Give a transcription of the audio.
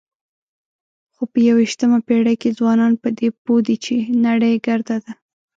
خو په یوویشتمه پېړۍ کې ځوانان په دې پوه دي چې نړۍ ګرده ده.